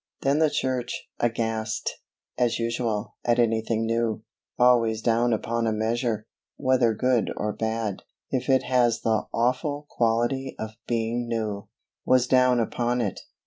Then the church, aghast, as usual, at anything new always down upon a measure, whether good or bad, if it has the awful quality of being new was down upon it.